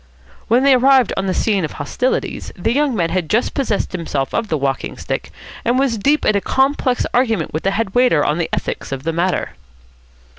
When they arrived on the scene of hostilities, the young man had just possessed himself of the walking stick, and was deep in a complex argument with the head waiter on the ethics of the matter.